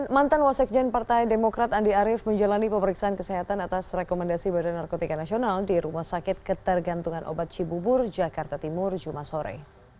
mantan wasekjen partai demokrat andi arief menjalani pemeriksaan kesehatan atas rekomendasi badan narkotika nasional di rumah sakit ketergantungan obat cibubur jakarta timur jumat sore